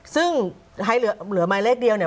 ซึ่งให้เหลือหมายเลขเดียวเนี่ย